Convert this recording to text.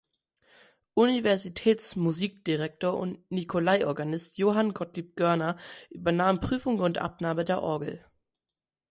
Universitätsmusikdirektor und Nicolaiorganist Johann Gottlieb Görner übernahm Prüfung und Abnahme der Orgel.